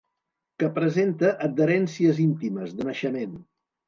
Que presenta adherències íntimes, de naixement.